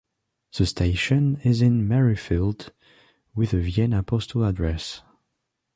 The station is in Merrifield, with a Vienna postal address.